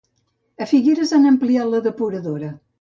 A Figures han ampliat la depuradora.